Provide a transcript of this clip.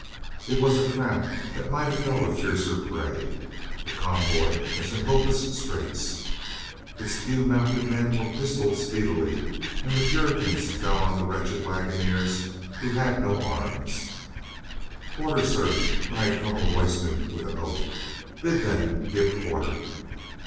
It was a trap that might have held a fiercer prey. The convoy was in hope less straits. Its few mounted men were pistoled speedily and the Puritans fell on the wretched wag oners, who had no arms. "Quarter, sir," cried Colonel Royston with an oath, "bid them give quarter."